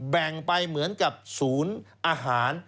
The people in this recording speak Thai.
แบ่งไปเหมือนกับศูนย์อาหาร